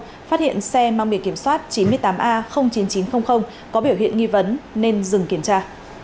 phát hiện xe mang biển kiểm soát chín mươi tám a chín nghìn chín trăm linh có biểu hiện nghi vấn nên dừng kiểm tra